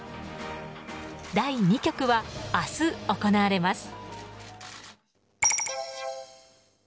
第２局は明日行われます。